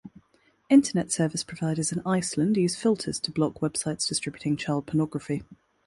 Internet service providers in Iceland use filters to block Web sites distributing child pornography.